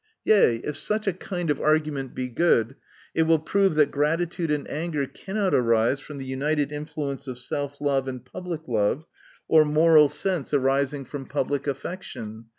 Yea, if such a kind of argument be good, it will prove that gratitude and anger cannot arise from the united influence of self love, aiicl public love, or moral sense arising from the public affection.